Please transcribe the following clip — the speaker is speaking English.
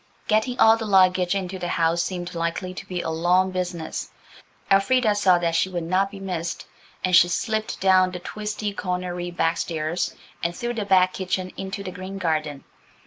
Getting all the luggage into the house seemed likely to be a long business. Elfrida saw that she would not be missed, and she slipped down the twisty cornery back stairs and through the back kitchen into the green garden.